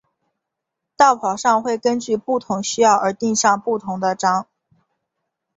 道袍上会根据不同需要而钉上不同的章。